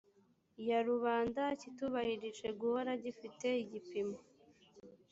ya rubanda kitubahirije guhora gifite igipimo